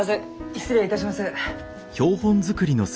失礼いたします。